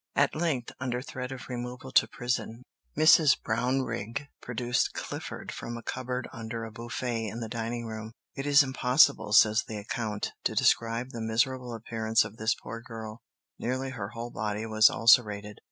At length, under threat of removal to prison, Mrs. Brownrigg produced Clifford from a cupboard under a buffet in the dining room. "It is impossible," says the account, "to describe the miserable appearance of this poor girl; nearly her whole body was ulcerated."